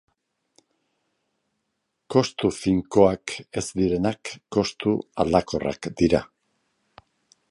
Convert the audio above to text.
Kostu finkoak ez direnak kostu aldakorrak dira.